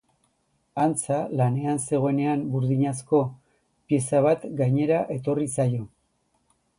Antza, lanean zegoenean, burdinezko pieza bat gainera etorri zaio.